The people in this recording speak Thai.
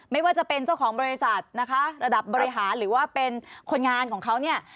ไม่ว่าจะเป็นเจ้าของบริษัทนะคะระดับบริหารหรือว่าเป็นคนงานของเขาเนี่ย